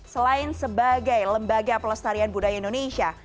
selain sebagai lembaga pelestarian budaya indonesia